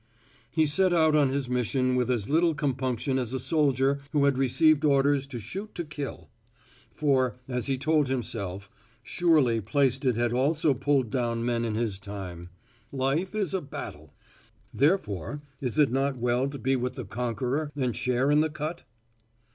He set out on his mission with as little compunction as a soldier who had received orders to shoot to kill. For, as he told himself, surely Plaisted had also pulled down men in his time. Life is a battle. Therefore is it not well to be with the conqueror and share in the cut?